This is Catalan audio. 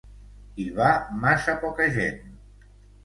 Hi va massa poca gent.